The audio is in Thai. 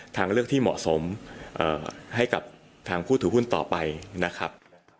ทางเลือกที่เหมาะสมให้กับทางผู้ถือหุ้นต่อไปนะครับ